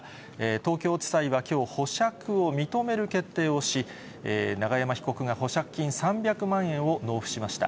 東京地裁はきょう、保釈を認める決定をし、永山被告が保釈金３００万円を納付しました。